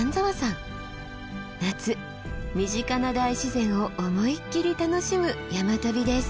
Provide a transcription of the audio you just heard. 夏身近な大自然を思いっきり楽しむ山旅です。